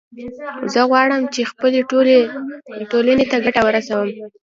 زه غواړم چې خپلې ټولنې ته ګټه ورسوم